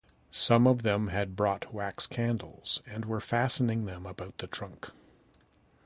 Some of them had brought wax candles and were fastening them about the trunk.